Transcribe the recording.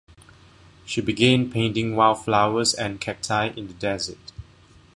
She began painting wildflowers and cacti in the desert.